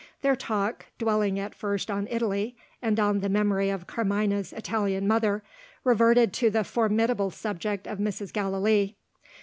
Their talk dwelling at first on Italy, and on the memory of Carmina's Italian mother reverted to the formidable subject of Mrs. Gallilee.